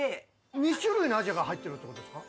２種類のアジが入ってるってことですか？